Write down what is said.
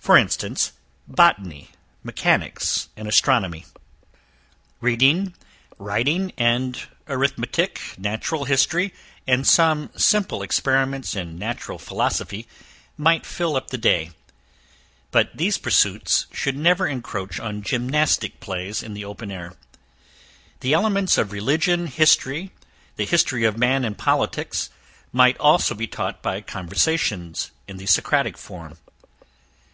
For instance, botany, mechanics, and astronomy. Reading, writing, arithmetic, natural history, and some simple experiments in natural philosophy, might fill up the day; but these pursuits should never encroach on gymnastic plays in the open air. The elements of religion, history, the history of man, and politics, might also be taught by conversations, in the socratic form.